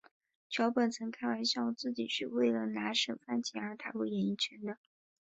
桥本曾开玩笑自己是为了拿省饭钱而踏入演艺圈的。